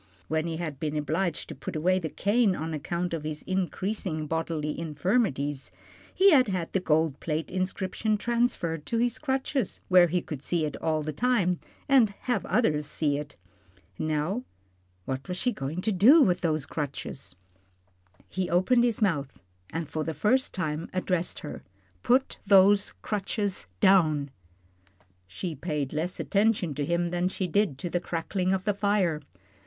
When he had been obliged to put away the cane on account of his increasing bodily infirmities, he had had the gold plate inscription transferred to his crutches where he could see it all the time, and have others see it. Now what was she going to do with those crutches? [Illustration: "HE LIFTED UP HIS VOICE AND ROARED AT HER."] He opened his mouth, and for the first time addressed her. "Put those crutches down." She paid less attention to him than she did to the crackling of the fire.